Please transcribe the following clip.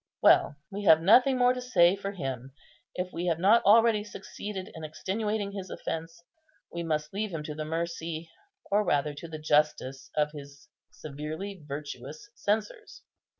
Well, we have nothing more to say for him; if we have not already succeeded in extenuating his offence, we must leave him to the mercy, or rather to the justice, of his severely virtuous censors.